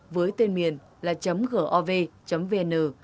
với tên miền là gov vn